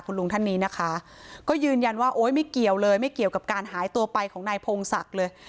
คุณลุงท่านนี้นะคะก็ยืนยันว่าโอ๊ยไม่เกี่ยวเลยไม่เกี่ยวกับการหายตัวไปของนายพงศักดิ์เลย